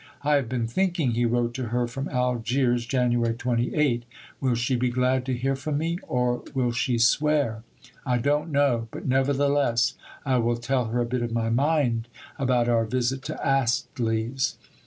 "I have been thinking," he wrote to her from Algiers (Jan. 28), "Will she be glad to hear from me? or Will she swear? I don't know, but nevertheless I will tell her a bit of my mind about our visit to Astley's."